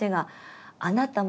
あなたも？